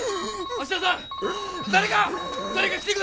芦田さん！